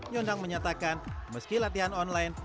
nyondang menyatakan meski latihan online